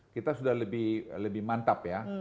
kita sudah lebih mantap ya